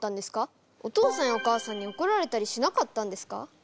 お父さんやお母さんにおこられたりしなかったんですか？